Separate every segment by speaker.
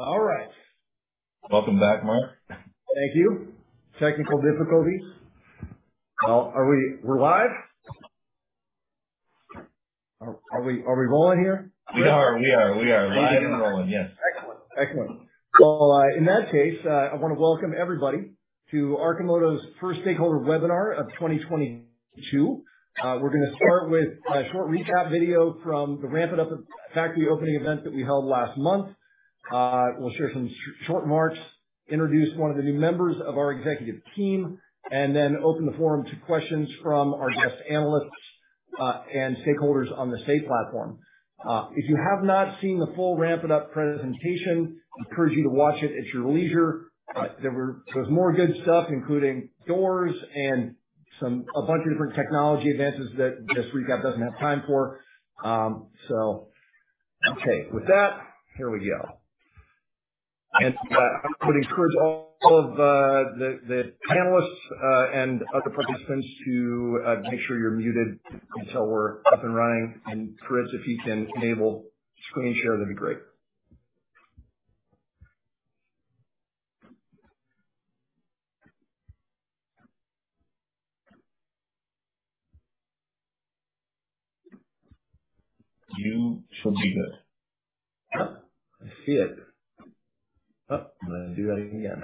Speaker 1: All right.
Speaker 2: Welcome back, Mark.
Speaker 1: Thank you. Technical difficulties. Are we live? Are we rolling here?
Speaker 2: We are live and rolling. Yes.
Speaker 1: Excellent. Well, in that case, I want to welcome everybody to Arcimoto's First Stakeholder Webinar of 2022. We're going to start with a short recap video from the Ramp It Up factory opening event that we held last month. We'll share some short remarks, introduce one of the new members of our executive team, and then open the forum to questions from our guest analysts and stakeholders on the Say platform. If you have not seen the full Ramp It Up presentation, I encourage you to watch it at your leisure. There's more good stuff, including doors and a bunch of different technology advances that this recap doesn't have time for. Okay, with that, here we go. I would encourage all of the panelists and other participants to make sure you're muted until we're up and running. Fritz, if you can enable screen share, that'd be great.
Speaker 2: You should be good.
Speaker 1: I see it. Oh, I'm going to do that again.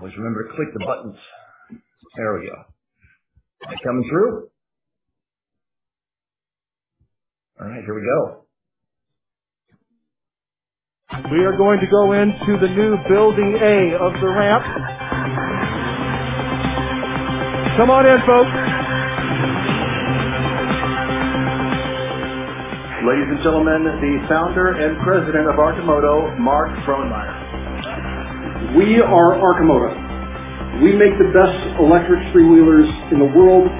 Speaker 1: Always remember to click the buttons. There we go. Am I coming through? All right, here we go. We are going to go into the new Building A of the ramp. Come on in, folks.
Speaker 3: Ladies and gentlemen, the Founder and President of Arcimoto, Mark Frohnmayer.
Speaker 1: We are Arcimoto. We make the best electric three-wheelers in the world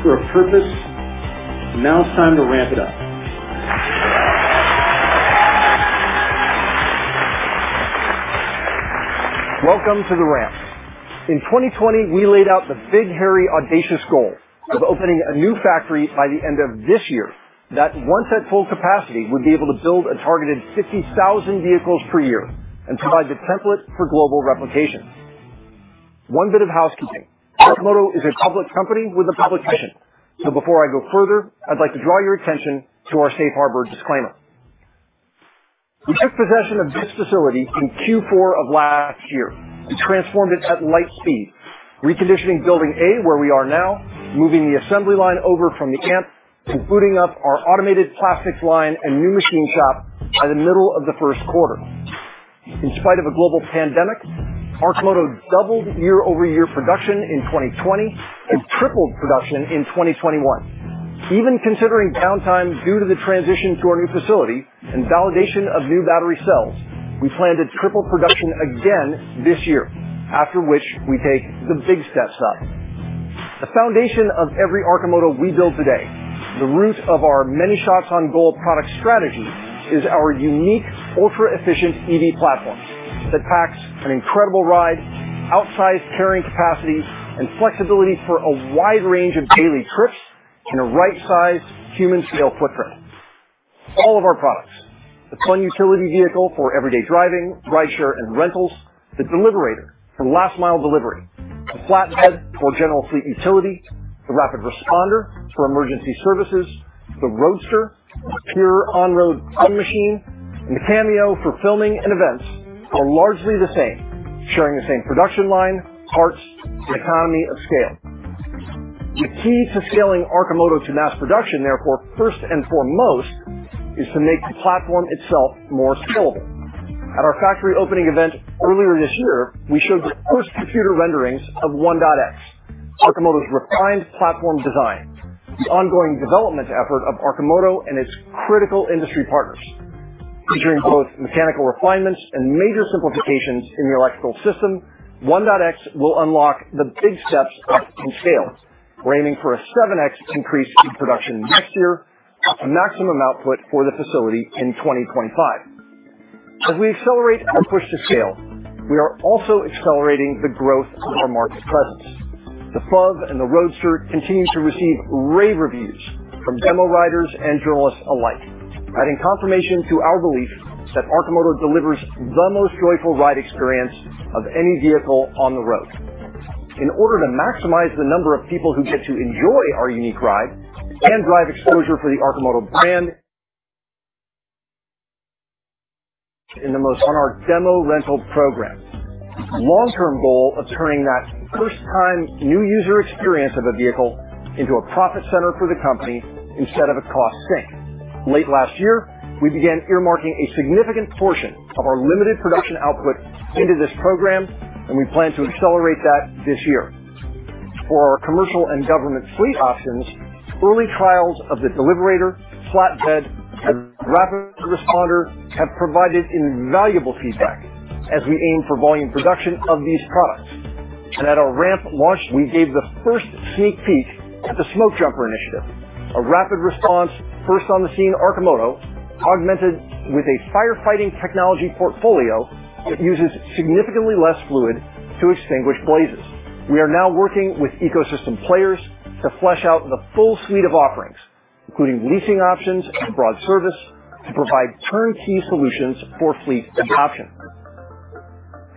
Speaker 1: for a purpose. Now it's time to RAMP IT UP. Welcome to the RAMP. In 2020, we laid out the big, hairy, audacious goal of opening a new factory by the end of this year that once at full capacity would be able to build a targeted 50,000 vehicles per year and provide the template for global replication. One bit of housekeeping. Arcimoto is a public company with a publication. So, before I go further, I'd like to draw your attention to our safe harbor disclaimer. We took possession of this facility in Q4 of last year and transformed it at light speed, reconditioning Building A, where we are now, moving the assembly line over from the campus, and booting up our automated plastics line and new machine shop by the middle of the first quarter. In spite of a global pandemic, Arcimoto doubled year-over-year production in 2020 and tripled production in 2021. Even considering downtime due to the transition to our new facility and validation of new battery cells, we plan to triple production again this year, after which we take the big steps up. The foundation of every Arcimoto we build today, the root of our many shots on goal product strategy, is our unique ultra-efficient EV platform that packs an incredible ride, outsized carrying capacity, and flexibility for a wide range of daily trips in a right-sized human scale footprint. All of our products, the Fun Utility Vehicle for everyday driving, rideshare, and rentals, the Deliverator for last-mile delivery, the Flatbed for general fleet utility, the Rapid Responder for emergency services, the Roadster, pure on-road fun machine, and the Cameo for filming and events, are largely the same, sharing the same production line, parts, the economy of scale. The key to scaling Arcimoto to mass production, therefore, first and foremost, is to make the platform itself more scalable. At our factory opening event earlier this year, we showed the first computer renderings of 1.X, Arcimoto's refined platform design, the ongoing development effort of Arcimoto and its critical industry partners. Featuring both mechanical refinements and major simplifications in the electrical system, 1.X will unlock the big steps up in scale. We're aiming for a 7x increase in production next year and maximum output for the facility in 2025. As we accelerate our push to scale, we are also accelerating the growth of our market presence. The FUV and the Roadster continue to receive rave reviews from demo riders and journalists alike, adding confirmation to our belief that Arcimoto delivers the most joyful ride experience of any vehicle on the road. In order to maximize the number of people who get to enjoy our unique ride and drive exposure for the Arcimoto brand, we're investing most in our demo rental program. Our long-term goal of turning that first-time new user experience of a vehicle into a profit center for the company instead of a cost sink. Late last year, we began earmarking a significant portion of our limited production output into this program, and we plan to accelerate that this year. For our commercial and government fleet options, early trials of the Deliverator, Flatbed, and Rapid Responder have provided invaluable feedback as we aim for volume production of these products. At our ramp launch, we gave the first sneak peek at the Smokejumper initiative, a rapid response first on the scene Arcimoto, augmented with a firefighting technology portfolio that uses significantly less fluid to extinguish blazes. We are now working with ecosystem players to flesh out the full suite of offerings, including leasing options and broad service to provide turnkey solutions for fleet adoption.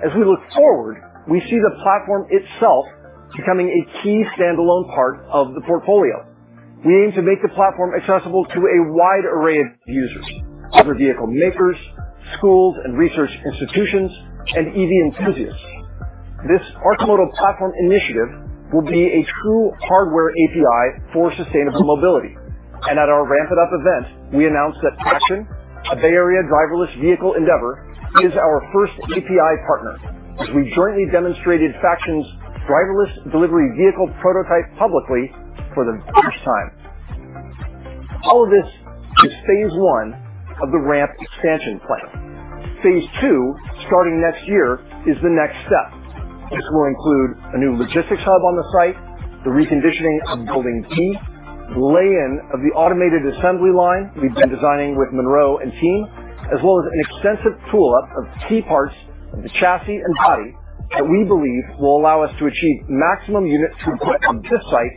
Speaker 1: As we look forward, we see the platform itself becoming a key standalone part of the portfolio. We aim to make the platform accessible to a wide array of users, other vehicle makers, schools and research institutions, and EV enthusiasts. This Arcimoto platform initiative will be a true hardware API for sustainable mobility. At our Ramp It Up event, we announced that Faction, a Bay Area driverless vehicle endeavor, is our first API partner, as we jointly demonstrated Faction's driverless delivery vehicle prototype publicly for the first time. All of this is phase 1 of the ramp expansion plan. Phase 2, starting next year, is the next step. This will include a new logistics hub on the site, the reconditioning of Building D, lay-in of the automated assembly line we've been designing with Munro and team, as well as an extensive tool-up of key parts of the chassis and body that we believe will allow us to achieve maximum unit throughput on this site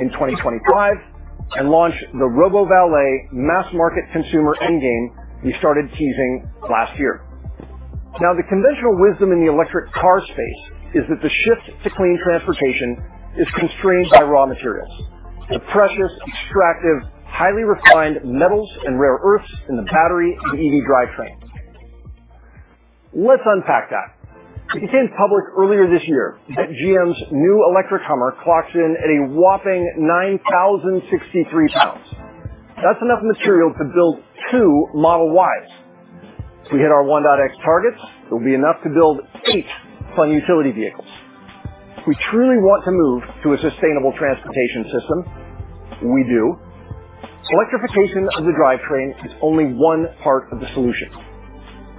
Speaker 1: in 2025 and launch the RoboValet mass market consumer endgame we started teasing last year. Now, the conventional wisdom in the electric car space is that the shift to clean transportation is constrained by raw materials, the precious, extractive, highly refined metals and rare earths in the battery and the EV drivetrain. Let's unpack that. It became public earlier this year that GM's new electric Hummer EV clocks in at a whopping 9,063 lbs. That's enough material to build two Model Ys. If we hit our 1.x targets, it will be enough to build eight Fun Utility Vehicles. If we truly want to move to a sustainable transportation system, we do, so electrification of the drivetrain is only one part of the solution.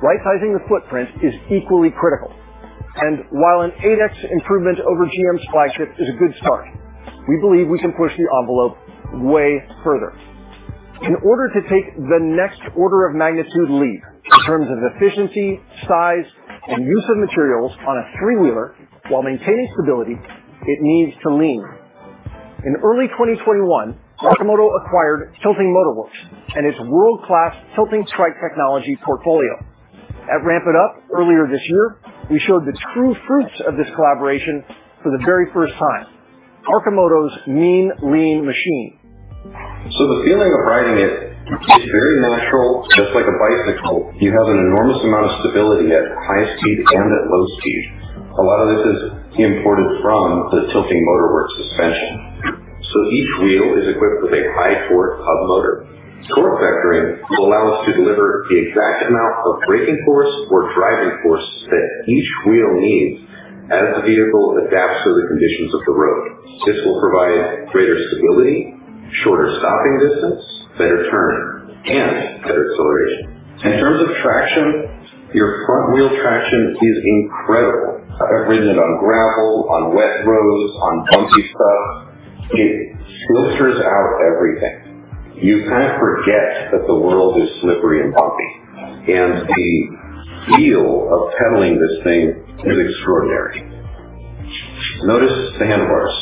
Speaker 1: Right-sizing the footprint is equally critical. While an 8x improvement over GM's flagship is a good start, we believe we can push the envelope way further. In order to take the next order of magnitude leap in terms of efficiency, size, and use of materials on a three-wheeler while maintaining stability, it needs to lean. In early 2021, Arcimoto acquired Tilting Motor Works and its world-class tilting trike technology portfolio. At Ramp It Up earlier this year, we showed the true fruits of this collaboration for the very first time, Arcimoto's Mean Lean Machine.
Speaker 3: The feeling of riding it is very natural, just like a bicycle. You have an enormous amount of stability at high speed and at low speed. A lot of this is imported from the Tilting Motor Works suspension. Each wheel is equipped with a high-torque hub motor. Torque vectoring will allow us to deliver the exact amount of braking force or driving force that each wheel needs as the vehicle adapts to the conditions of the road. This will provide greater stability, shorter stopping distance, better turn, and better acceleration. In terms of traction, your front wheel traction is incredible. I've ridden it on gravel, on wet roads, on bumpy stuff. It slithers out everything. You kind of forget that the world is slippery and bumpy, and the feel of pedaling this thing is extraordinary. Notice the handlebars.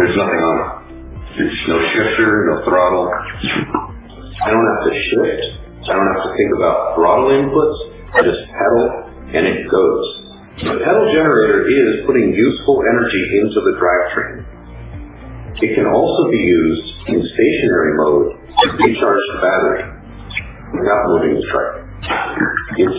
Speaker 3: There's nothing on them. There's no shifter, no throttle. I don't have to shift. I don't have to think about throttle inputs. I just pedal, and it goes. The pedal generator is putting useful energy into the drivetrain. It can also be used in stationary mode to recharge the battery without moving the trike. Its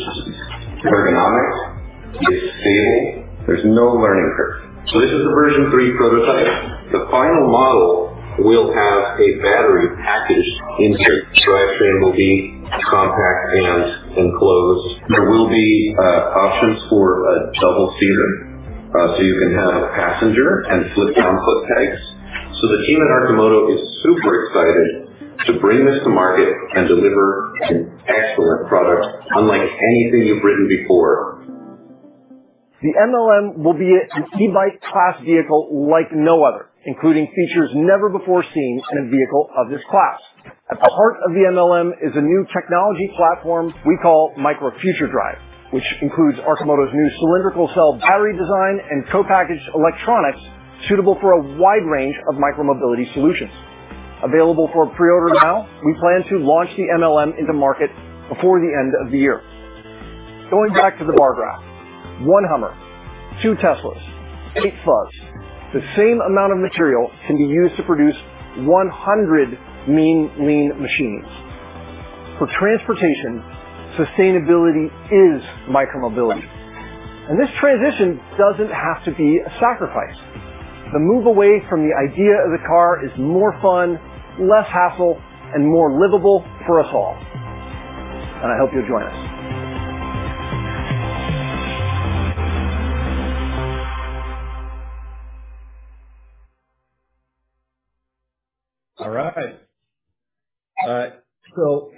Speaker 3: ergonomics, it's stable. There's no learning curve. This is a version three prototype. The final model will have a battery package insert. Drivetrain will be compact and enclosed. There will be options for a double seater, so you can have a passenger and flip-down footpegs. The team at Arcimoto is super excited to bring this to market and deliver an excellent product unlike anything you've ridden before.
Speaker 1: The MLM will be an e-bike class vehicle like no other, including features never before seen in a vehicle of this class. At the heart of the MLM is a new technology platform we call Micro Future Drive, which includes Arcimoto's new cylindrical cell battery design and co-packaged electronics suitable for a wide range of micromobility solutions. Available for pre-order now, we plan to launch the MLM into market before the end of the year. Going back to the bar graph, 1 Hummer, 2 Teslas, 8 Bugs. The same amount of material can be used to produce 100 Mean Lean Machines. For transportation, sustainability is micromobility. This transition doesn't have to be a sacrifice. The move away from the idea of the car is more fun, less hassle, and more livable for us all. I hope you'll join us. All right.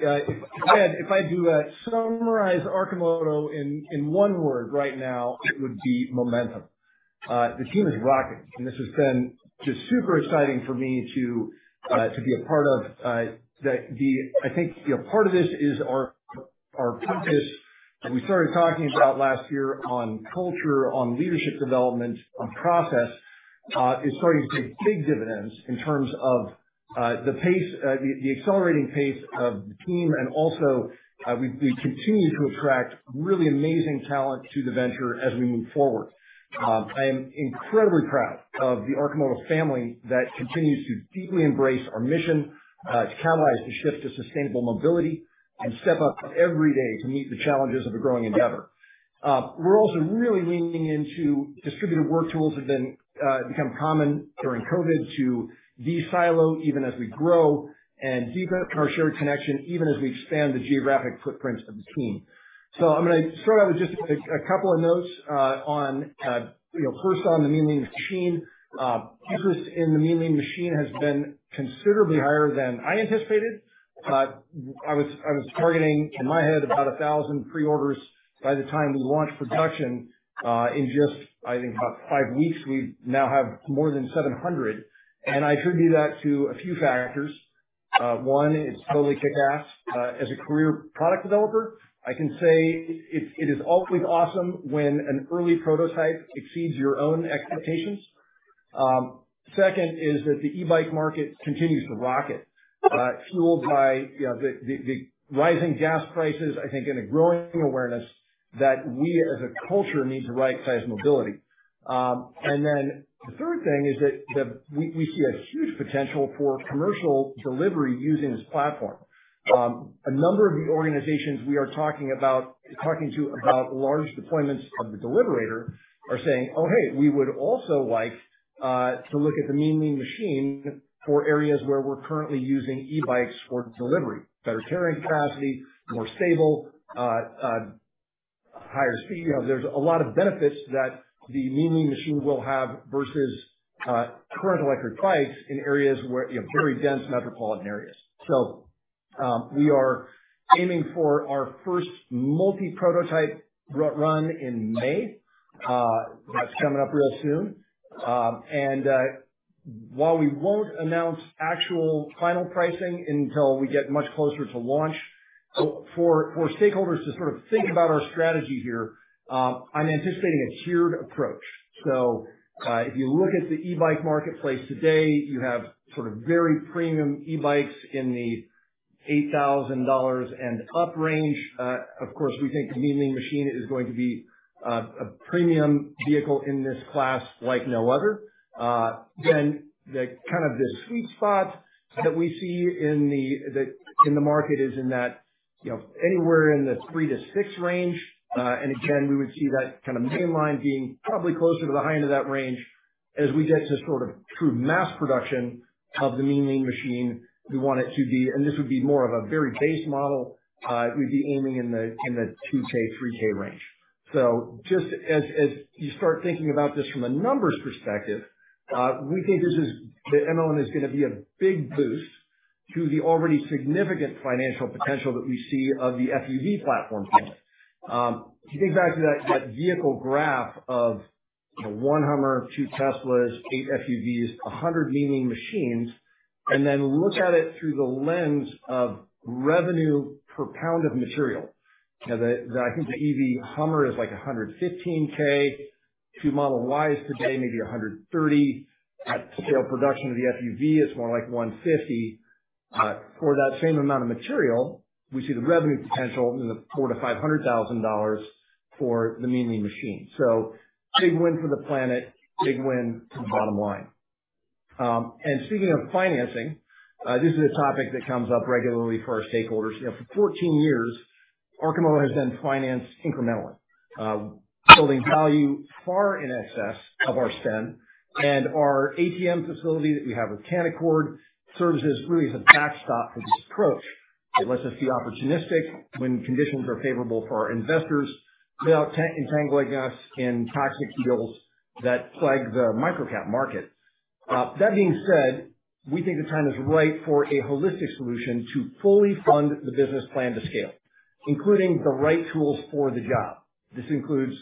Speaker 1: Again, if I do summarize Arcimoto in one word right now, it would be momentum. The team is rocking. This has been just super exciting for me to be a part of, I think, you know, part of this is our focus that we started talking about last year on culture, on leadership development, on process, is starting to pay big dividends in terms of the pace, the accelerating pace of the team. We continue to attract really amazing talent to the venture as we move forward. I am incredibly proud of the Arcimoto family that continues to deeply embrace our mission to catalyze the shift to sustainable mobility and step up every day to meet the challenges of a growing endeavor. We're also really leaning into distributed work tools that have become common during COVID to de-silo even as we grow and deepen our shared connection, even as we expand the geographic footprint of the team. I'm going to start out with just a couple of notes, you know, first on the Mean Lean Machine. Interest in the Mean Lean Machine has been considerably higher than I anticipated. I was targeting in my head about 1,000 pre-orders by the time we launched production. In just, I think about 5 weeks, we now have more than 700. I attribute that to a few factors. One, it's totally kickass. As a career product developer, I can say it is always awesome when an early prototype exceeds your own expectations. Second is that the e-bike market continues to rocket, fueled by, you know, the rising gas prices, I think, and a growing awareness that we as a culture need the right size mobility. The third thing is that we see a huge potential for commercial delivery using this platform. A number of the organizations we are talking to about large deployments of the Deliverator are saying, "Oh, hey, we would also like to look at the Mean Lean Machine for areas where we're currently using e-bikes for delivery." Better carrying capacity, more stable, higher speed. You know, there's a lot of benefits that the Mean Lean Machine will have versus current electric bikes in areas where, you know, very dense metropolitan areas. We are aiming for our first multi-prototype run in May. That's coming up real soon. While we won't announce actual final pricing until we get much closer to launch, for stakeholders to sort of think about our strategy here, I'm anticipating a tiered approach. If you look at the e-bike marketplace today, you have sort of very premium e-bikes in the $8,000 and up range. Of course, we think the Mean Lean Machine is going to be a premium vehicle in this class like no other. The kind of sweet spot that we see in the market is in that, you know, anywhere in the $3,000-$6,000 range. Again, we would see that kind of mainline being probably closer to the high end of that range. As we get to sort of true mass production of the Mean Lean Machine, we want it to be, and this would be more of a very base model, we'd be aiming in the $2,000-$3,000 range. Just as you start thinking about this from a numbers perspective, we think the MLM is going to be a big boost to the already significant financial potential that we see of the FUV platform family. If you think back to that vehicle graph of one Hummer, two Teslas, eight FUVs, 100 Mean Lean Machines, and then look at it through the lens of revenue per pound of material. You know, I think the EV Hummer is like $115K, two Model Ys today, maybe $130K. At scale production of the FUV, it's more like $150K. For that same amount of material, we see the revenue potential in the $400,000-$500,000 for the Mean Lean Machine. Big win for the planet, big win for the bottom line. Speaking of financing, this is a topic that comes up regularly for our stakeholders. You know, for 14 years, Arcimoto has been financed incrementally, building value far in excess of our spend. Our ATM facility that we have with Canaccord serves as really as a backstop for this approach. It lets us be opportunistic when conditions are favorable for our investors without entangling us in toxic deals that plague the microcap market. That being said, we think the time is right for a holistic solution to fully fund the business plan to scale, including the right tools for the job. This includes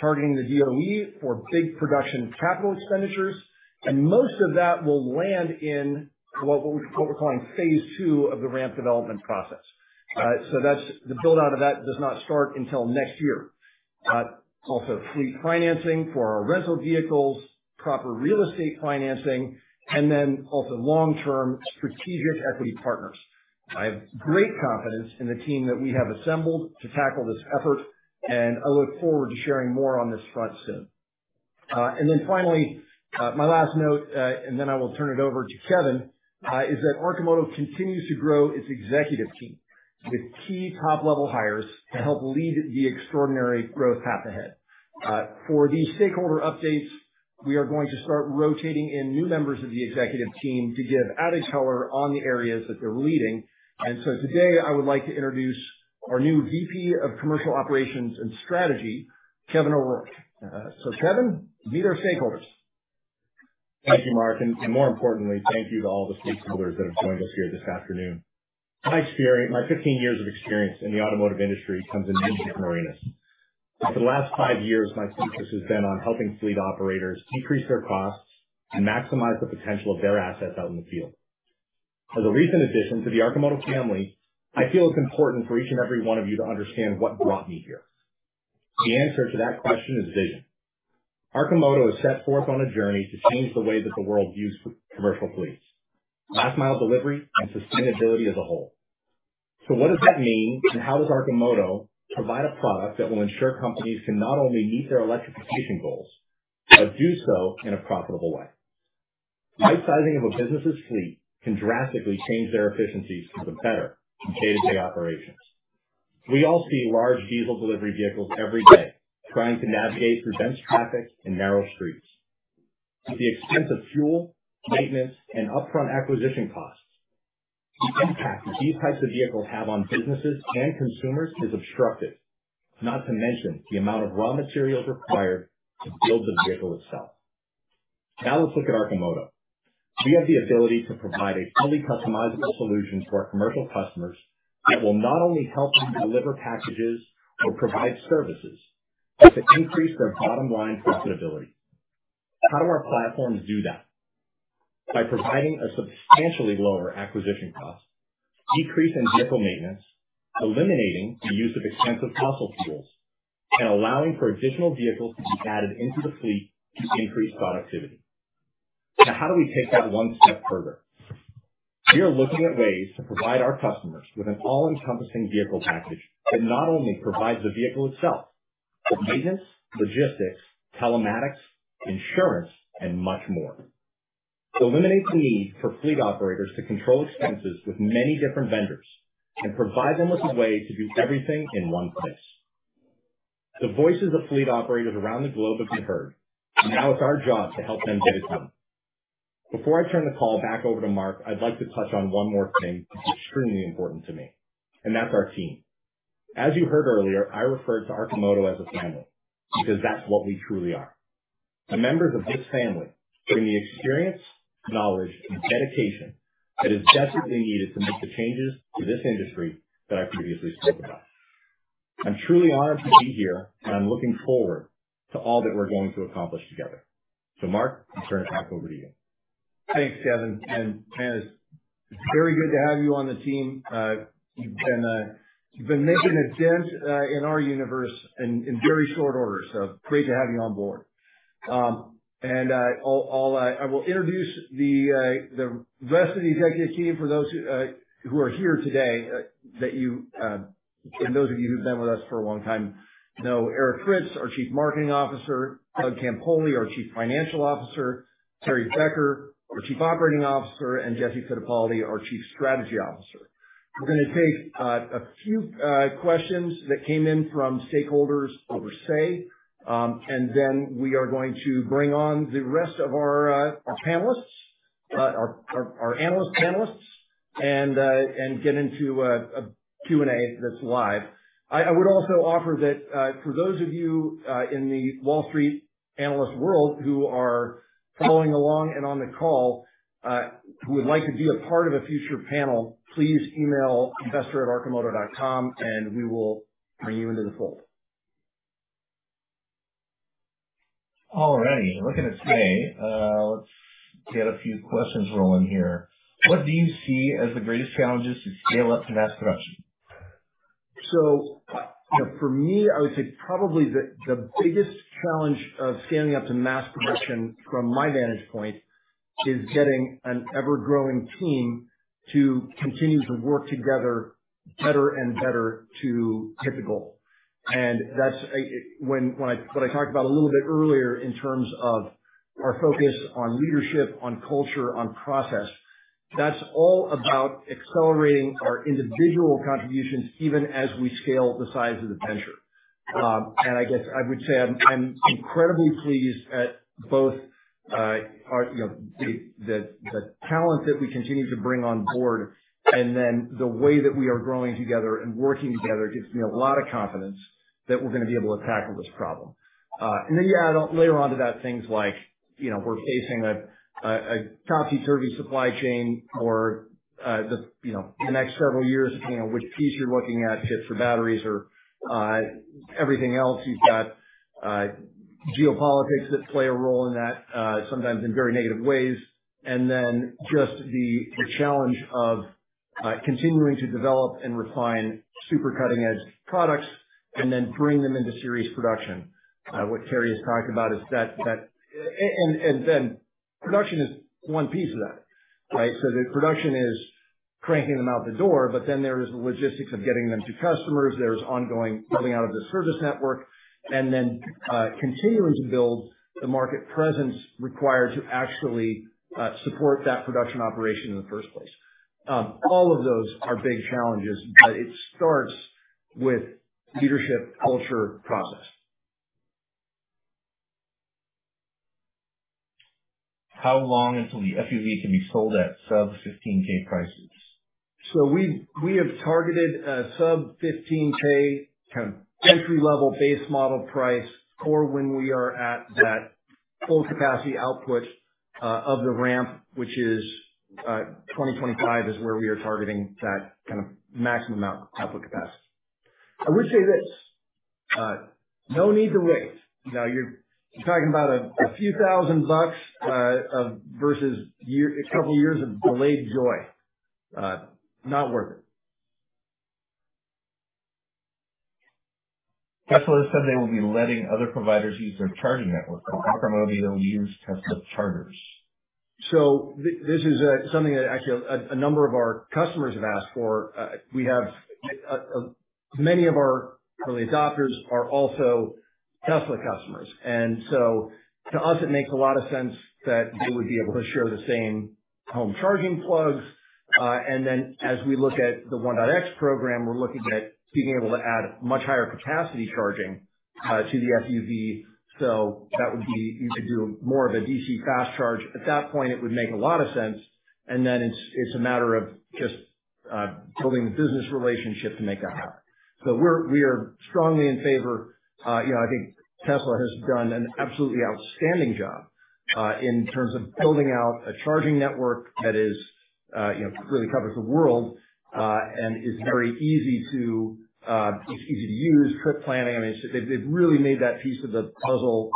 Speaker 1: targeting the DOE for big production capital expenditures, and most of that will land in what we're calling phase two of the ramp development process. The build-out of that does not start until next year. Also fleet financing for our rental vehicles, proper real estate financing, and then also long-term strategic equity partners. I have great confidence in the team that we have assembled to tackle this effort, and I look forward to sharing more on this front soon. Finally, my last note, and then I will turn it over to Kevin, is that Arcimoto continues to grow its executive team with key top-level hires to help lead the extraordinary growth path ahead. For these stakeholder updates, we are going to start rotating in new members of the executive team to give added color on the areas that they're leading. Today, I would like to introduce our new VP of Commercial Operations and Strategy, Kevin O'Rourke. Kevin, meet our stakeholders.
Speaker 4: Thank you, Mark. More importantly, thank you to all the stakeholders that have joined us here this afternoon. My 15 years of experience in the automotive industry comes in many different arenas. For the last 5 years, my focus has been on helping fleet operators decrease their costs and maximize the potential of their assets out in the field. As a recent addition to the Arcimoto family, I feel it's important for each and every one of you to understand what brought me here. The answer to that question is vision. Arcimoto has set forth on a journey to change the way that the world views commercial fleets, last mile delivery, and sustainability as a whole. What does that mean and how does Arcimoto provide a product that will ensure companies can not only meet their electrification goals, but do so in a profitable way? Right-sizing of a business's fleet can drastically change their efficiencies for the better from day-to-day operations. We all see large diesel delivery vehicles every day trying to navigate through dense traffic and narrow streets. At the expense of fuel, maintenance, and upfront acquisition costs, the impact that these types of vehicles have on businesses and consumers is obstructive. Not to mention the amount of raw materials required to build the vehicle itself. Now let's look at Arcimoto. We have the ability to provide a fully customizable solution to our commercial customers that will not only help them deliver packages or provide services, but to increase their bottom line profitability. How do our platforms do that? By providing a substantially lower acquisition cost, decrease in vehicle maintenance, eliminating the use of expensive fossil fuels, and allowing for additional vehicles to be added into the fleet to increase productivity. Now, how do we take that one step further? We are looking at ways to provide our customers with an all-encompassing vehicle package that not only provides the vehicle itself, but maintenance, logistics, telematics, insurance, and much more to eliminate the need for fleet operators to control expenses with many different vendors and provide them with a way to do everything in one place. The voices of fleet operators around the globe have been heard, and now it's our job to help them get it done. Before I turn the call back over to Mark, I'd like to touch on one more thing that's extremely important to me, and that's our team. As you heard earlier, I referred to Arcimoto as a family because that's what we truly are. The members of this family bring the experience, knowledge, and dedication that is desperately needed to make the changes to this industry that I previously spoke about. I'm truly honored to be here, and I'm looking forward to all that we're going to accomplish together. Mark, I'll turn it back over to you.
Speaker 1: Thanks, Kevin. Man, it's very good to have you on the team. You've been making a dent in our universe in very short order, so great to have you on board. I will introduce the rest of the executive team for those who are here today, that you and those of you who've been with us for a long time know Eric Fritz, our Chief Marketing Officer, Doug Campoli, our Chief Financial Officer, Terry Becker, our Chief Operating Officer, and Jesse Fittipaldi, our Chief Strategy Officer. We're going to take a few questions that came in from stakeholders over Say, and then we are going to bring on the rest of our panelists, our analyst panelists and get into a Q&A that's live. I would also offer that, for those of you in the Wall Street analyst world who are following along and on the call, who would like to be a part of a future panel, please email investor@arcimoto.com, and we will bring you into the fold.
Speaker 4: All right. Looking at Say, let's get a few questions rolling here. What do you see as the greatest challenges to scale up to mass production?
Speaker 1: For me, I would say probably the biggest challenge of scaling up to mass production from my vantage point is getting an ever-growing team to continue to work together better and better to hit the goal. That's what I talked about a little bit earlier in terms of our focus on leadership, on culture, on process. That's all about accelerating our individual contributions even as we scale the size of the venture. I guess I would say I'm incredibly pleased at both our, you know, the talent that we continue to bring on board, and then the way that we are growing together and working together gives me a lot of confidence that we're going to be able to tackle this problem. You add on later on to that things like, you know, we're facing a topsy-turvy supply chain for the you know the next several years. You know, which piece you're looking at, be it for batteries or everything else. You've got geopolitics that play a role in that, sometimes in very negative ways. Just the challenge of continuing to develop and refine super cutting-edge products and then bring them into series production. What Terry has talked about is that production is one piece of that, right? The production is cranking them out the door, but then there is the logistics of getting them to customers. There's ongoing building out of the service network and then, continuing to build the market presence required to actually, support that production operation in the first place. All of those are big challenges, but it starts with leadership, culture, process.
Speaker 4: How long until the FUV can be sold at sub-$15K prices?
Speaker 1: We have targeted a sub-$15K kind of entry-level base model price for when we are at that full capacity output of the ramp, which is 2025 where we are targeting that kind of maximum output capacity. I would say this, no need to wait. Now you're talking about a few thousand bucks versus a year, a couple of years of delayed joy. Not worth it.
Speaker 4: Tesla said they will be letting other providers use their charging network. How come it'll be they'll use Tesla chargers?
Speaker 1: This is something that actually a number of our customers have asked for. Many of our early adopters are also Tesla customers, and to us it makes a lot of sense that they would be able to share the same home charging plugs. As we look at the 1.x program, we're looking at being able to add much higher capacity charging to the FUV. That would be, you could do more of a DC fast charge. At that point, it would make a lot of sense. It's a matter of just building the business relationship to make that happen. We are strongly in favor. You know, I think Tesla has done an absolutely outstanding job in terms of building out a charging network that is, you know, really covers the world and is it's easy to use, trip planning. I mean, it really made that piece of the puzzle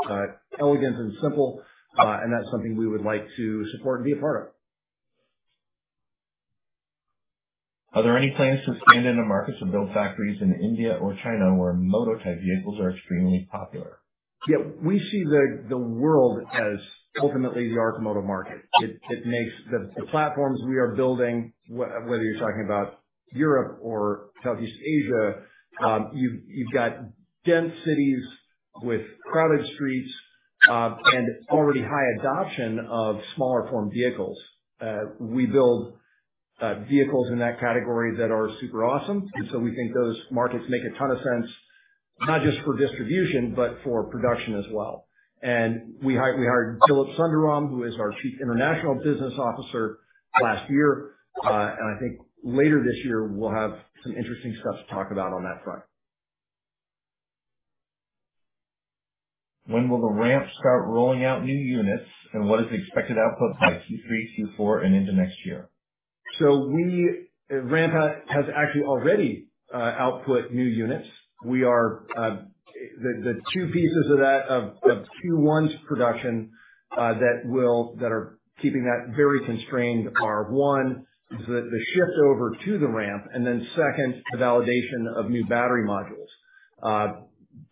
Speaker 1: elegant and simple. That's something we would like to support and be a part of.
Speaker 4: Are there any plans to expand into markets or build factories in India or China where moto type vehicles are extremely popular?
Speaker 1: Yeah, we see the world as ultimately the Arcimoto market. It makes the platforms we are building, whether you're talking about Europe or Southeast Asia. You've got dense cities with crowded streets, and already high adoption of smaller form vehicles. We build vehicles in that category that are super awesome. We think those markets make a ton of sense, not just for distribution, but for production as well. We hired Dilip Sundaram, who is our Chief International Business Officer last year. I think later this year, we'll have some interesting stuff to talk about on that front.
Speaker 4: When will the ramp start rolling out new units, and what is the expected output by Q3, Q4, and into next year?
Speaker 1: Ramp has actually already output new units. The two pieces of Q1's production that are keeping that very constrained are one, the shift over to the ramp, and then second, the validation of new battery modules.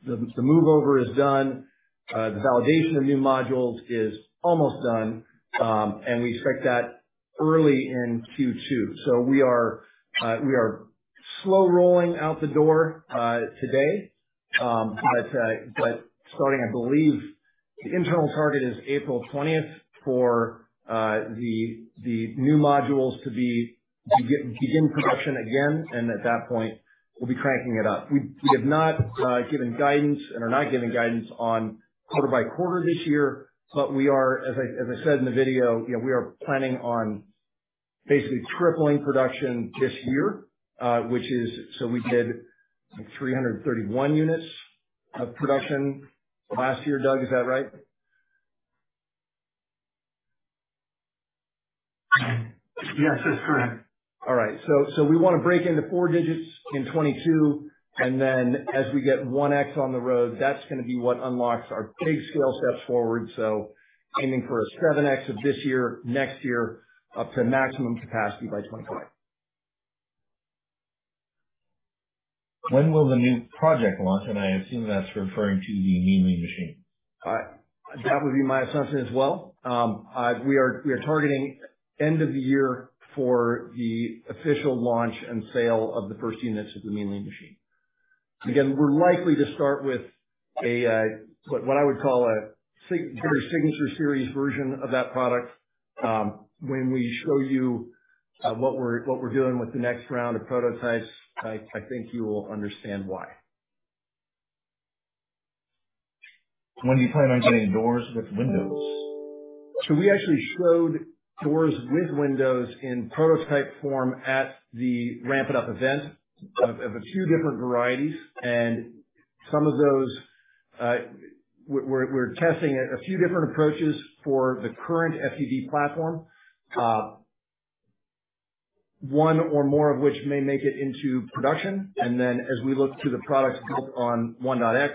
Speaker 1: The move over is done. The validation of new modules is almost done. We expect that early in Q2. We are slow rolling out the door today. Starting, I believe the internal target is April 20th for the new modules to begin production again, and at that point we'll be cranking it up. We have not given guidance and are not giving guidance on quarter by quarter this year, but we are, as I said in the video, you know, we are planning on basically tripling production this year, which is, so we did 331 units of production last year. Doug, is that right?
Speaker 5: Yes, that's correct.
Speaker 1: All right. We want to break into four digits in 2022, and then as we get 1.x on the road, that's going to be what unlocks our big scale steps forward. Aiming for a 7x of this year, next year, up to maximum capacity by 2025.
Speaker 4: When will the new project launch? I assume that's referring to the Mean Lean Machine.
Speaker 1: That would be my assumption as well. We are targeting end of the year for the official launch and sale of the first units of the Mean Lean Machine. Again, we're likely to start with a what I would call a very signature series version of that product. When we show you what we're doing with the next round of prototypes, I think you will understand why.
Speaker 4: When do you plan on getting doors with windows?
Speaker 1: We actually showed doors with windows in prototype form at the Ramp It Up event of a few different varieties. Some of those, we're testing a few different approaches for the current FUV platform. One or more of which may make it into production. As we look to the products built on 1.x,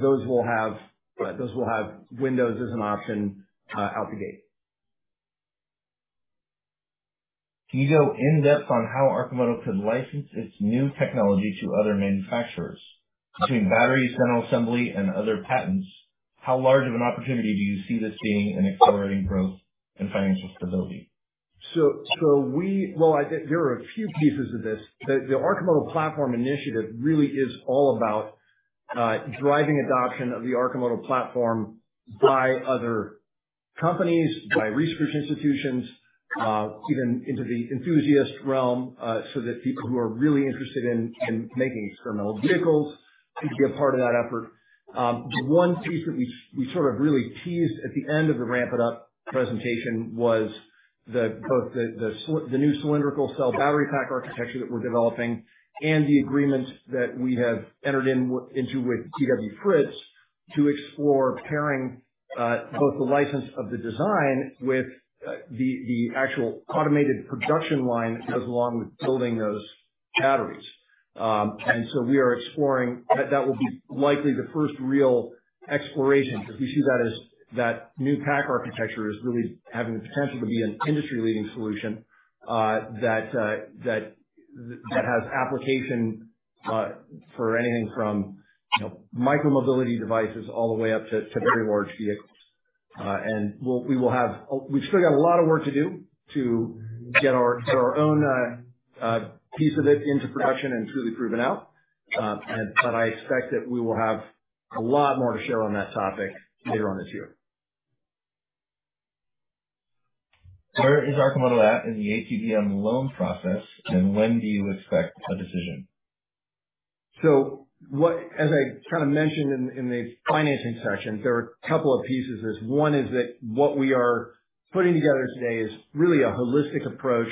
Speaker 1: those will have windows as an option out the gate.
Speaker 4: Can you go in-depth on how Arcimoto could license its new technology to other manufacturers between batteries, final assembly, and other patents? How large of an opportunity do you see this being in accelerating growth and financial stability?
Speaker 1: Well, I think there are a few pieces of this. The Arcimoto platform initiative really is all about driving adoption of the Arcimoto platform by other companies, by research institutions, even into the enthusiast realm, so that people who are really interested in making experimental vehicles can be a part of that effort. The one piece that we sort of really teased at the end of the Ramp It Up presentation was both the new cylindrical cell battery pack architecture that we're developing and the agreement that we have entered into with DWFritz Automation to explore pairing both the license of the design with the actual automated production line that goes along with building those batteries. We are exploring that will be likely the first real exploration, because we see that as that new pack architecture as really having the potential to be an industry-leading solution, that has application for anything from, you know, micro-mobility devices all the way up to very large vehicles. We've still got a lot of work to do to get our own piece of it into production and truly proven out. I expect that we will have a lot more to share on that topic later on this year.
Speaker 4: Where is Arcimoto at in the ATVM loan process, and when do you expect a decision?
Speaker 1: As I kind of mentioned in the financing section, there are a couple of pieces. There's one is that what we are putting together today is really a holistic approach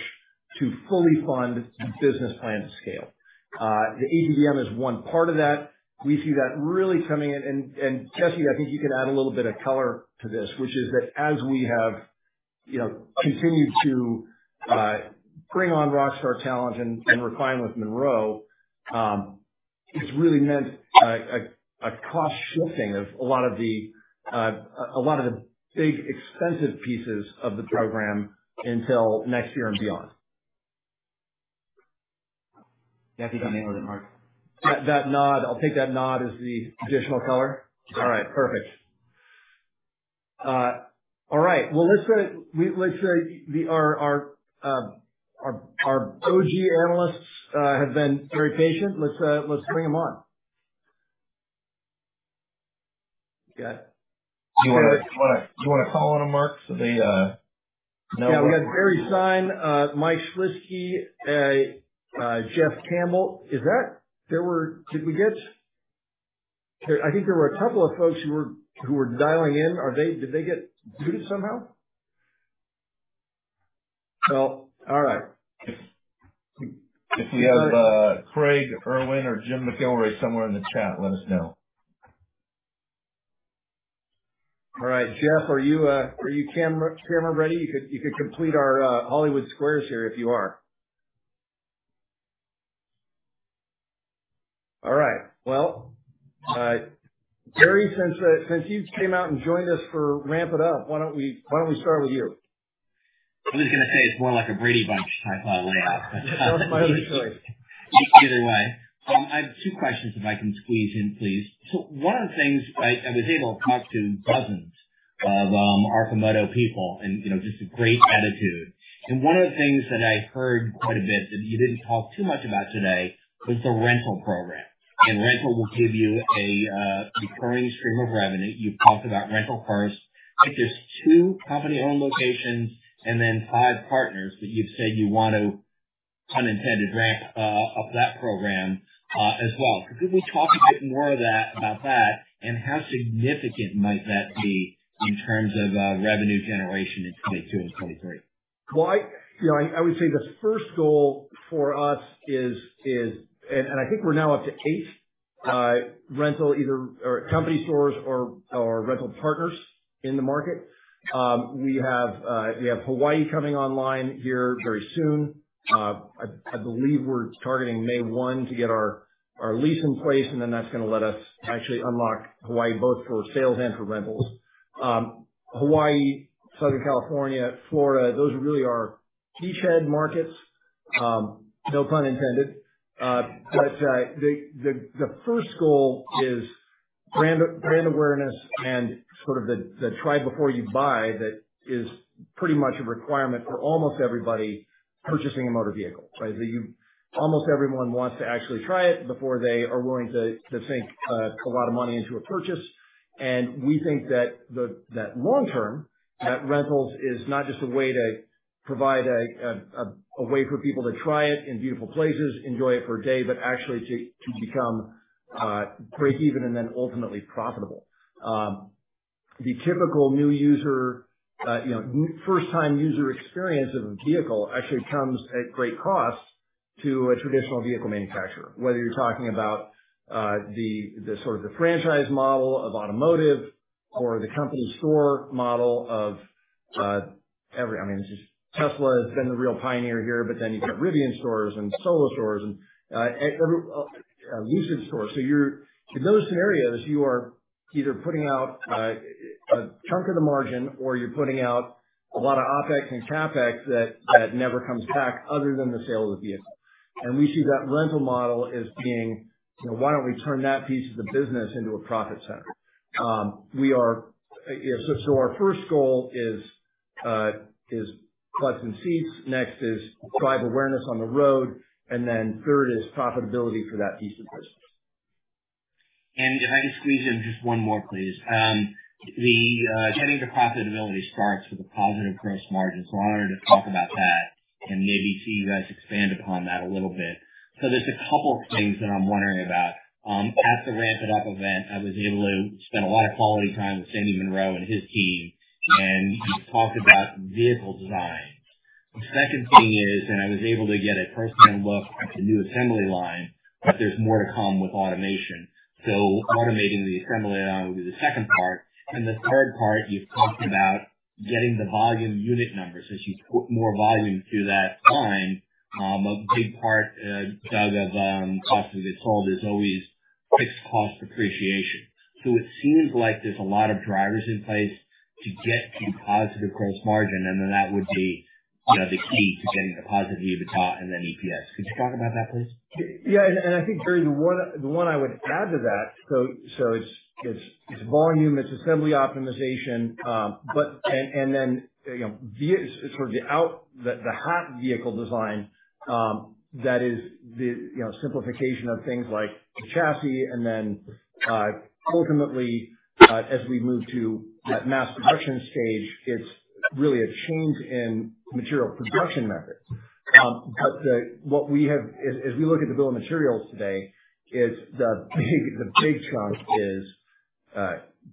Speaker 1: to fully fund the business plan to scale. The ATVM is one part of that. We see that really coming in, and Jesse, I think you can add a little bit of color to this, which is that as we have you know continued to bring on rockstar talent and refine with Munro, it's really meant a cost shifting of a lot of the big expensive pieces of the program until next year and beyond.
Speaker 6: Yeah, I think that nailed it, Mark.
Speaker 1: That nod, I'll take that nod as the additional color. All right, perfect. All right. Well, our OG analysts have been very patient. Let's bring them on.
Speaker 4: Yeah. Do you want to call on them, Mark, so they know?
Speaker 1: Yeah. We got Barry Sine, Mike Shlisky, Jeff Campbell. I think there were a couple of folks who were dialing in. Did they get muted somehow? Well, all right.
Speaker 4: If you have Craig Irwin or Jim McIlree somewhere in the chat, let us know.
Speaker 1: All right. Jeff, are you camera ready? You could complete our Hollywood Squares here if you are. All right. Well, Barry, since you came out and joined us for Ramp It Up, why don't we start with you?
Speaker 7: I was going to say it's more like a Brady Bunch type of layout.
Speaker 1: That was my other choice.
Speaker 7: Either way. I have two questions if I can squeeze in, please. One of the things I was able to talk to dozens of Arcimoto people and, you know, just a great attitude. One of the things that I heard quite a bit that you didn't talk too much about today was the rental program. Rental will give you a recurring stream of revenue. You've talked about rental cars. I think there's two company-owned locations and then five partners that you've said you want to, pun intended, ramp up that program as well. Could you please talk a bit more of that, about that, and how significant might that be in terms of revenue generation in 2022 and 2023?
Speaker 1: I would say the first goal for us is. I think we're now up to eight rental, either company stores or rental partners in the market. We have Hawaii coming online here very soon. I believe we're targeting May one to get our lease in place, and then that's going to let us actually unlock Hawaii both for sales and for rentals. Hawaii, Southern California, Florida, those really are beachhead markets, no pun intended. The first goal is brand awareness and sort of the try before you buy that is pretty much a requirement for almost everybody purchasing a motor vehicle, right? That you. Almost everyone wants to actually try it before they are willing to sink a lot of money into a purchase. We think that long-term, that rentals is not just a way to provide a way for people to try it in beautiful places, enjoy it for a day, but actually to become break-even and then ultimately profitable. The typical new user, you know, first-time user experience of a vehicle actually comes at great cost to a traditional vehicle manufacturer. Whether you're talking about the sort of the franchise model of automotive or the company store model of every. I mean, just Tesla has been the real pioneer here, but then you've got Rivian stores and Solo stores and every other stores. You're in those scenarios either putting out a chunk of the margin or you're putting out a lot of OpEx and CapEx that never comes back other than the sale of the vehicle. We see that rental model as being why don't we turn that piece of the business into a profit center? Our first goal is butts in seats, next is drive awareness on the road, and then third is profitability for that piece of business.
Speaker 7: If I could squeeze in just one more please. Getting to profitability starts with a positive gross margin, so I wanted to talk about that. Maybe see you guys expand upon that a little bit. There's a couple things that I'm wondering about. At the Ramp It Up event, I was able to spend a lot of quality time with Sandy Munro and his team, and he talked about vehicle design. The second thing is, and I was able to get a first-hand look at the new assembly line, but there's more to come with automation. Automating the assembly line would be the second part. The third part, you've talked about getting the volume unit numbers. As you put more volume through that line, a big part, Doug, of, cost of goods sold is always fixed cost depreciation. It seems like there's a lot of drivers in place to get to positive gross margin, and then that would be, you know, the key to getting to positive EBITDA and then EPS. Could you talk about that, please?
Speaker 1: Yeah, I think, Terry, the one I would add to that is volume, it's assembly optimization, but then, you know, via the next vehicle design, that is the simplification of things like the chassis and then, ultimately, as we move to that mass production stage, it's really a change in material production methods. But what we have as we look at the bill of materials today is the big chunk is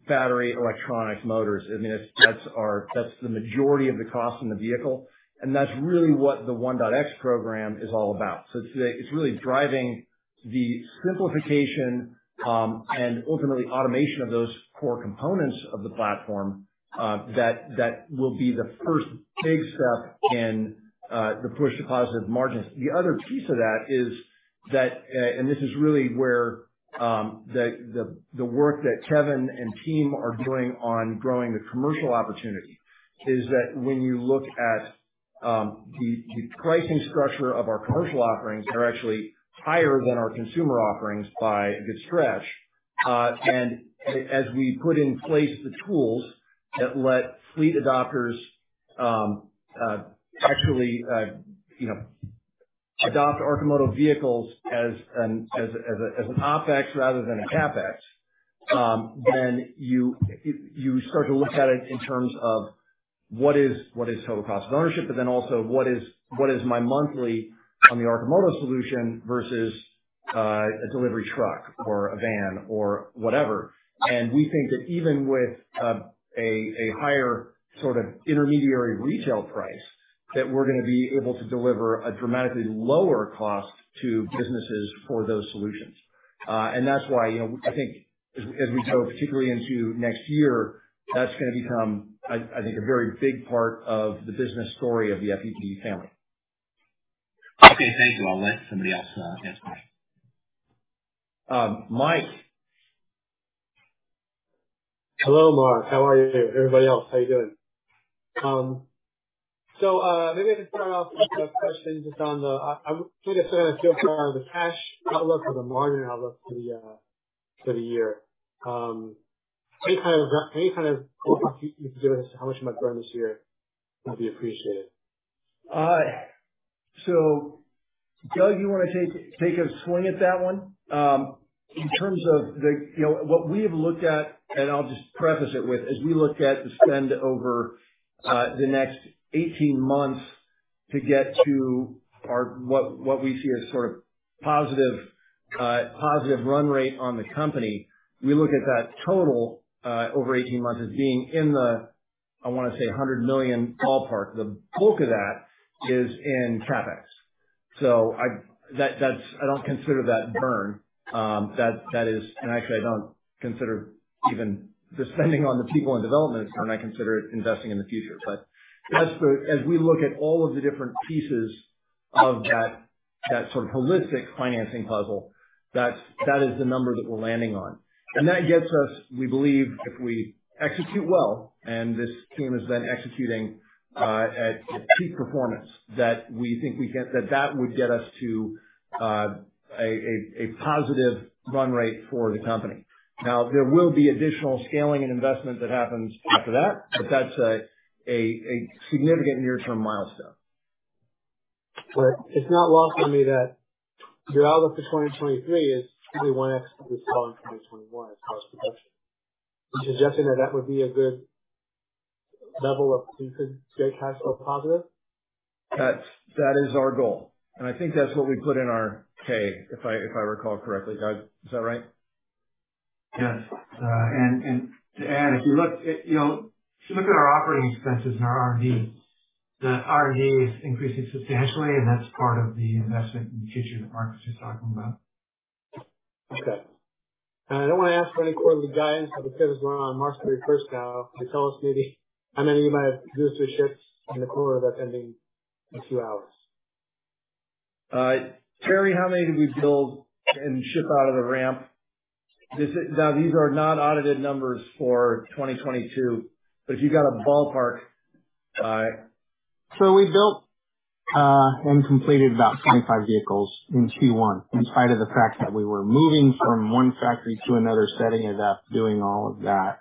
Speaker 1: battery, electronics, motors. I mean, that's the majority of the cost in the vehicle, and that's really what the 1.X program is all about. Today it's really driving the simplification and ultimately automation of those core components of the platform that will be the first big step in the push to positive margins. The other piece of that is that and this is really where the work that Kevin and team are doing on growing the commercial opportunity is that when you look at the pricing structure of our commercial offerings are actually higher than our consumer offerings by a good stretch. As we put in place the tools that let fleet adopters, actually, you know, adopt Arcimoto vehicles as an OpEx rather than a CapEx, then you start to look at it in terms of what is total cost of ownership, but then also what is my monthly on the Arcimoto solution versus a delivery truck or a van or whatever. We think that even with a higher sort of intermediary retail price, that we're going to be able to deliver a dramatically lower cost to businesses for those solutions. That's why, you know, I think as we go particularly into next year, that's going to become, I think, a very big part of the business story of the FUV family.
Speaker 7: Okay, thank you. I'll let somebody else ask questions.
Speaker 1: Mike.
Speaker 8: Hello, Mark. How are you? Everybody else, how you doing? Maybe I just start off with a question. I'm curious to get a feel for the cash outlook or the margin outlook for the year. Any kind of guidance how much you might burn this year would be appreciated.
Speaker 1: Doug, you want to take a swing at that one? In terms of the, you know, what we have looked at, and I'll just preface it with, as we look at the spend over the next 18 months to get to our, what we see as sort of positive run rate on the company, we look at that total over 18 months as being in the, I want to say, $100 million ballpark. The bulk of that is in CapEx. That is, I don't consider that burn. Actually, I don't consider even the spending on the people and development as spend, I consider it investing in the future. As we look at all of the different pieces of that sort of holistic financing puzzle, that is the number that we're landing on. That gets us, we believe, if we execute well, and this team has been executing at peak performance, that that would get us to a positive run rate for the company. There will be additional scaling and investment that happens after that, but that's a significant near-term milestone.
Speaker 8: It's not lost on me that your outlook for 2023 is probably 1x of the sell in 2021 as far as production. Are you suggesting that that would be a good level of free cash flow positive?
Speaker 1: That is our goal. I think that's what we put in our 10-K, if I recall correctly. Doug, is that right?
Speaker 5: Yes. To add, if you look, you know, at our operating expenses and our R&D, the R&D is increasing substantially, and that's part of the investment in the future that Mark's just talking about.
Speaker 8: Okay. I don't want to ask for any quarterly guidance because it's ending on March 31st now. Can you tell us maybe how many of you might have produced or shipped in the quarter that's ending in a few hours?
Speaker 1: Terry, how many did we build and ship out of the Ramp? Now, these are not audited numbers for 2022, but if you got a ballpark,
Speaker 9: We built and completed about 25 vehicles in Q1, in spite of the fact that we were moving from 1 factory to another, setting it up, doing all of that.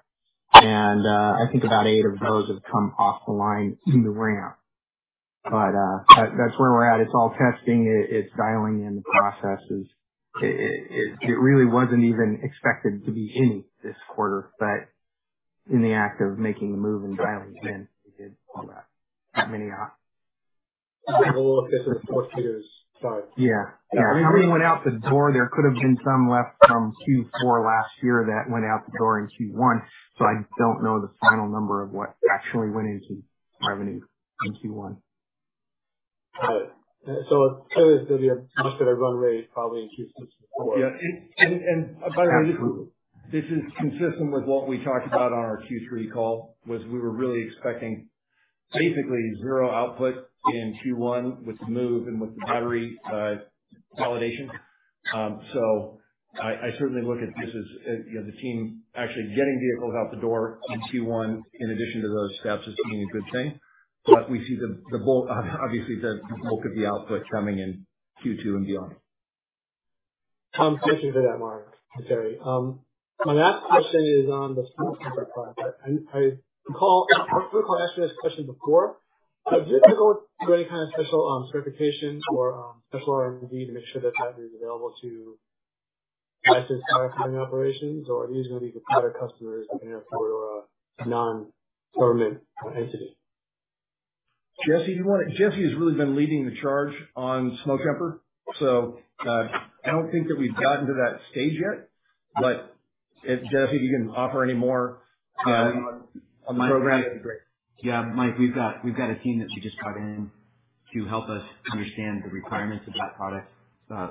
Speaker 9: I think about 8 of those have come off the line in the ramp. That's where we're at. It's all testing. It's dialing in the processes. It really wasn't even expected to be any this quarter.
Speaker 5: In the act of making the move and dialing in, we did all that many out.
Speaker 8: A little different for Qs, but.
Speaker 5: Yeah. How many went out the door? There could have been some left from Q4 last year that went out the door in Q1. I don't know the final number of what actually went into revenue in Q1.
Speaker 8: Got it. It's fair to say we have most of their run rate probably in Q3 and Q4.
Speaker 1: Yeah. By the way, this is consistent with what we talked about on our Q3 call, was we were really expecting basically zero output in Q1 with the move and with the battery validation. I certainly look at this as, you know, the team actually getting vehicles out the door in Q1 in addition to those steps as being a good thing. We see the bulk, obviously, of the output coming in Q2 and beyond.
Speaker 8: Thank you for that, Mark and Terry. My last question is on the Smokejumper product. I recall asking this question before. Did you go through any kind of special certification or special R&D to make sure that that is available to licensed firefighting operations or are these going to be for private customers and therefore a non-government entity?
Speaker 1: Jesse has really been leading the charge on Smokejumper. I don't think that we've gotten to that stage yet, but if Jesse, you can offer any more on the program, that'd be great.
Speaker 6: Yeah, Mike, we've got a team that we just brought in to help us understand the requirements of that product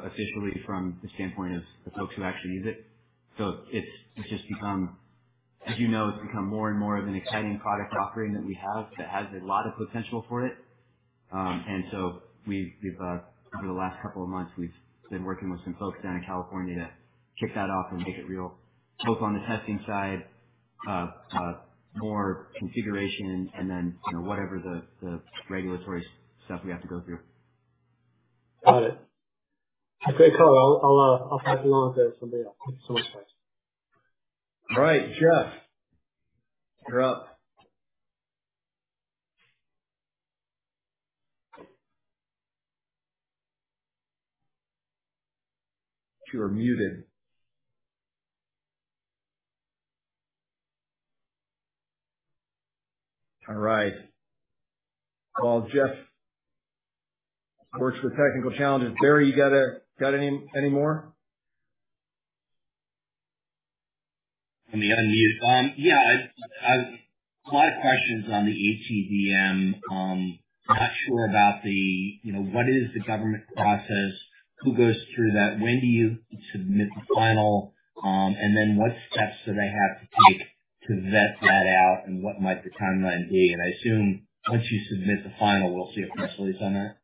Speaker 6: officially from the standpoint of the folks who actually use it. It's just become, as you know, more and more of an exciting product offering that we have that has a lot of potential for it. Over the last couple of months, we've been working with some folks down in California to kick that off and make it real, both on the testing side, more configuration and then, you know, whatever the regulatory stuff we have to go through.
Speaker 8: Got it. Great call. I'll tag along with that someday. Much thanks.
Speaker 1: All right, Jeff, you're up. You're muted. All right. Well, Jeff works through technical challenges. Barry, you got any more?
Speaker 7: Let me unmute. Yeah, I... My question's on the ATVM. I'm not sure about the, you know, what is the government process? Who goes through that? When do you submit the final? And then what steps do they have to take to vet that out, and what might the timeline be? I assume once you submit the final, we'll see a press release on that.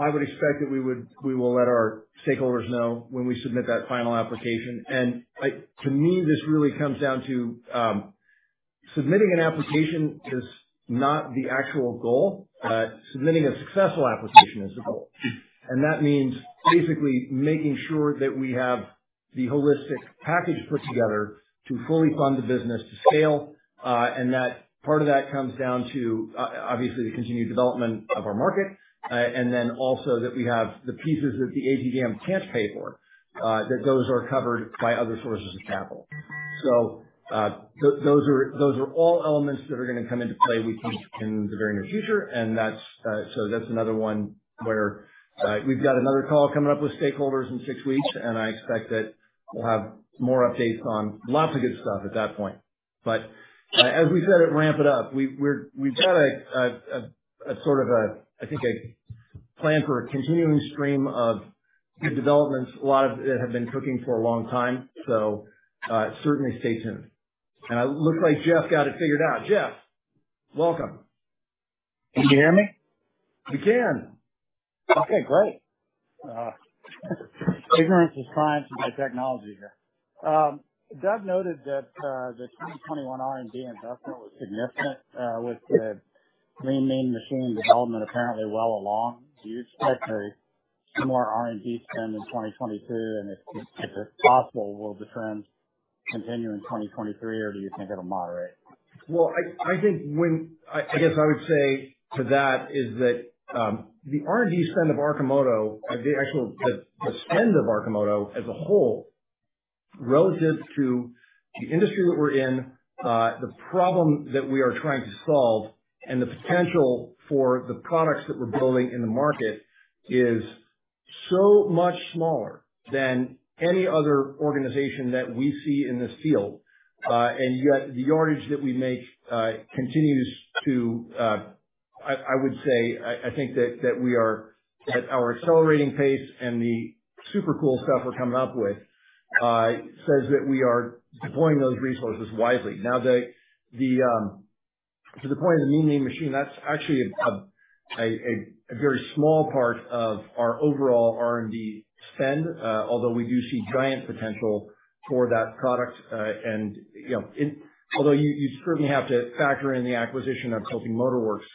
Speaker 1: I would expect that we will let our stakeholders know when we submit that final application. To me, this really comes down to submitting an application is not the actual goal, submitting a successful application is the goal. That means basically making sure that we have the holistic package put together to fully fund the business to scale, and that part of that comes down to obviously, the continued development of our market. Then also that we have the pieces that the ATVM can't pay for, that those are covered by other sources of capital. Those are all elements that are going to come into play, we think, in the very near future. That's another one where we've got another call coming up with stakeholders in six weeks, and I expect that we'll have more updates on lots of good stuff at that point. As we said at Ramp It Up, we've got a sort of, I think, a plan for a continuing stream of good developments. A lot of it had been cooking for a long time. Certainly, stay tuned. It looks like Jeff got it figured out. Jeff, welcome.
Speaker 10: Can you hear me?
Speaker 1: We can.
Speaker 10: Okay, great. Doug noted that the 2021 R&D investment was significant with the Mean Lean Machine development apparently well along. Do you expect a similar R&D spend in 2022? If it's possible, will the trend continue in 2023, or do you think it'll moderate?
Speaker 1: Well, I think I guess I would say to that is that the R&D spend of Arcimoto, the actual spend of Arcimoto as a whole relative to the industry that we're in, the problem that we are trying to solve and the potential for the products that we're building in the market is so much smaller than any other organization that we see in this field. Yet, the yardage that we make continues to, I would say, I think that we are at our accelerating pace and the super cool stuff we're coming up with says that we are deploying those resources wisely. Now, to the point of the Mean Lean Machine, that's actually a very small part of our overall R&D spend, although we do see giant potential for that product. You know, although you certainly have to factor in the acquisition of Tilting Motor Works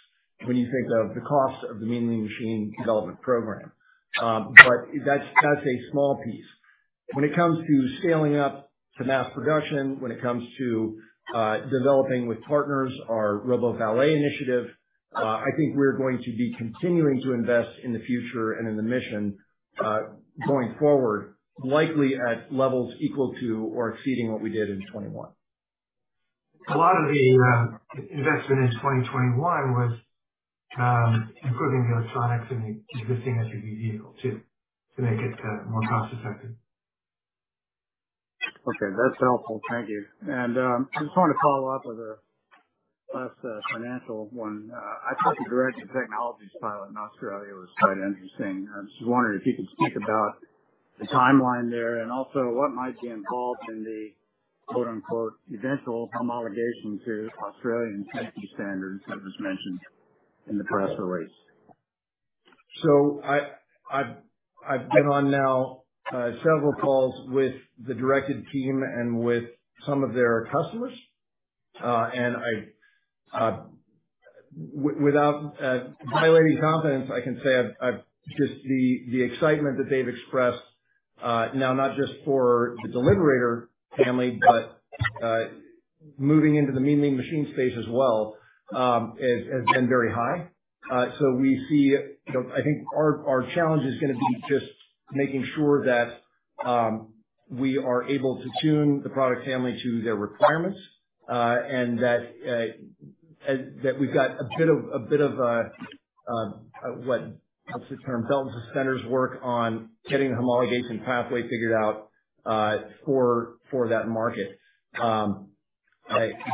Speaker 1: when you think of the cost of the Mean Lean Machine development program. That's a small piece. When it comes to scaling up to mass production, when it comes to developing with partners our RoboValet initiative, I think we're going to be continuing to invest in the future and in the mission, going forward, likely at levels equal to or exceeding what we did in 2021.
Speaker 5: A lot of the investment in 2021 was improving the electronics and the existing FUV vehicle too, to make it more cost effective.
Speaker 10: Okay, that's helpful. Thank you. I just wanted to follow up with a last financial one. I thought the Directed Technologies pilot in Australia was quite interesting. I was just wondering if you could speak about the timeline there and also what might be involved in the quote unquote "eventual homologation to Australian safety standards" that was mentioned in the press release.
Speaker 1: I've been on now several calls with the Directed Technologies team and with some of their customers. Without violating confidence, I can say I've just the excitement that they've expressed now not just for the Deliverator family, but moving into the Mean Lean Machine space as well has been very high. We see, you know, I think our challenge is going to be just making sure that we are able to tune the product family to their requirements and that we've got a bit of a what's the term? Belt and suspenders work on getting the homologation pathway figured out for that market. I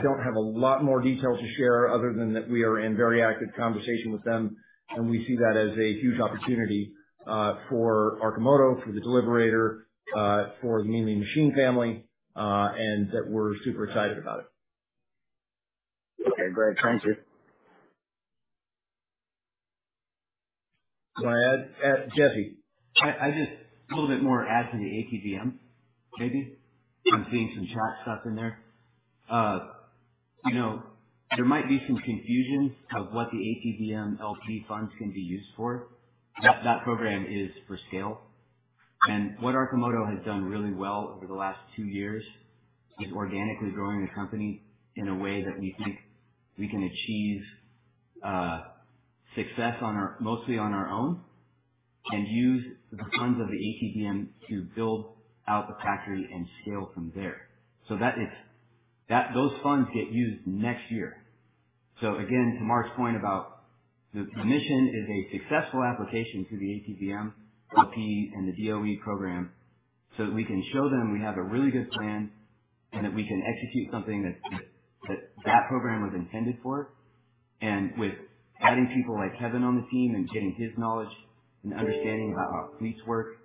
Speaker 1: don't have a lot more detail to share other than that we are in very active conversation with them, and we see that as a huge opportunity for Arcimoto, for the Deliverator, for the Mean Lean Machine family, and that we're super excited about it.
Speaker 10: Okay, great. Thank you.
Speaker 1: Go ahead, Jesse.
Speaker 6: I just a little bit more to add to the ATVM, maybe. I'm seeing some chat stuff in there. You know, there might be some confusion about what the ATVM LPO funds can be used for. That program is for scale. What Arcimoto has done really well over the last two years is organically growing the company in a way that we think we can achieve success mostly on our own, and use the funds from the ATVM to build out the factory and scale from there. That is. Those funds get used next year. Again, to Mark's point about the mission is a successful application to the ATVM LPO and the DOE program, so that we can show them we have a really good plan and that we can execute something that that program was intended for. With adding people like Kevin on the team and getting his knowledge and understanding how our fleets work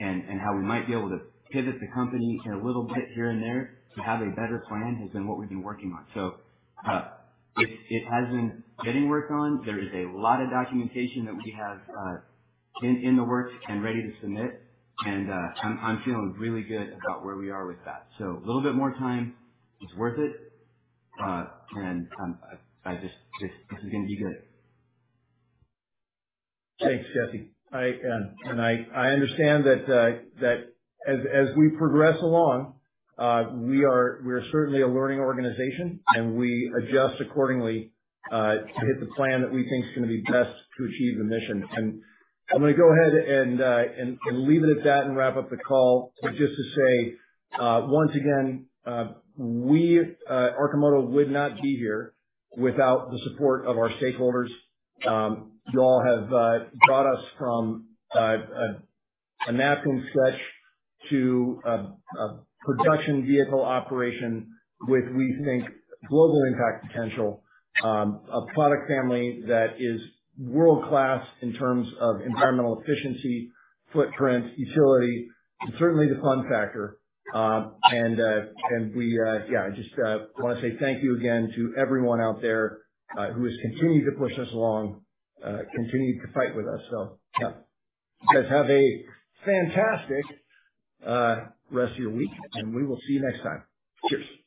Speaker 6: and how we might be able to pivot the company a little bit here and there to have a better plan has been what we've been working on. It has been getting to work on. There is a lot of documentation that we have in the works and ready to submit. I'm feeling really good about where we are with that. A little bit more time. It's worth it. I'm just. This is going to be good.
Speaker 1: Thanks, Jesse. I understand that as we progress along, we're certainly a learning organization, and we adjust accordingly to hit the plan that we think is going to be best to achieve the mission. I'm going to go ahead and leave it at that and wrap up the call. Just to say, once again, Arcimoto would not be here without the support of our stakeholders. You all have brought us from a napkin sketch to a production vehicle operation with, we think, global impact potential. A product family that is world-class in terms of environmental efficiency, footprint, utility, and certainly the fun factor. We just want to say thank you again to everyone out there who has continued to push us along, continued to fight with us. Yeah. You guys have a fantastic rest of your week, and we will see you next time. Cheers.